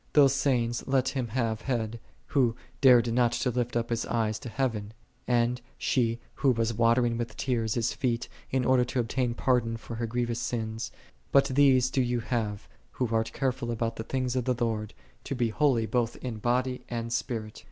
*7 Those sayings let him have had, who dared not to lift up his eyes to heaven; and she who was watering with tears His feet, in order to obtain pardon for her grievous ! sins; but these do thou have, who art careful I about the things of the Lord, to be holy both in body and spirit.